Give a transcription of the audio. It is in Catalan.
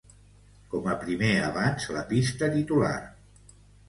Com a primer avanç la pista titular.